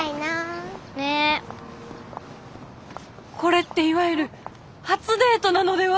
これっていわゆる「初デート」なのでは。